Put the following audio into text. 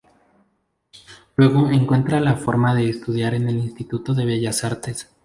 Luego, encuentra la forma de estudiar en el Instituto de Bellas Artes.